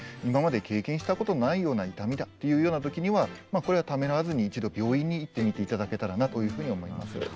今まで経験したことないような痛みだっていうような時にはこれはためらわずに一度病院に行っていただけたらなというふうに思います。